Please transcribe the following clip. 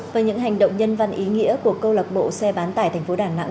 và những hành động nhân văn ý nghĩa của câu lạc bộ xe bán tải tp đà nẵng